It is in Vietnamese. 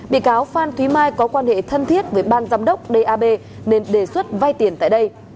bị cáo phan thúy mai có quan hệ thân thiết với ban giám đốc đ a b nên đề xuất vai tiền tại đây